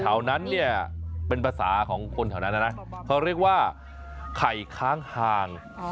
แถวนั้นเนี่ยเป็นภาษาของคนแถวนั้นนะเขาเรียกว่าไข่ค้างคาง